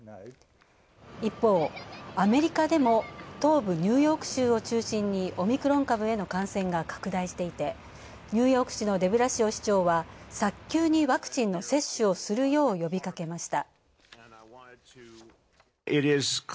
一方、アメリカでも東部ニューヨーク州を中心にオミクロン株への感染が拡大していてニューヨーク市のデブラシオ市長は早急にワクチンの接種をするよう呼びかけました。